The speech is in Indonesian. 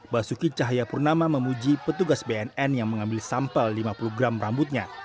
basuki cahayapurnama memuji petugas bnn yang mengambil sampel lima puluh gram rambutnya